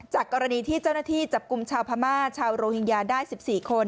กรณีที่เจ้าหน้าที่จับกลุ่มชาวพม่าชาวโรฮิงญาได้๑๔คน